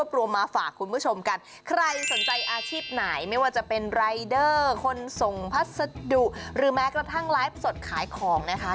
ภาษาดุหรือแม้กระทั่งไลฟ์สดขายของนะคะ